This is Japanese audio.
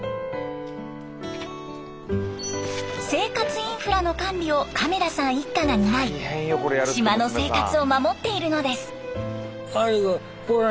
生活インフラの管理を亀田さん一家が担い島の生活を守っているのです。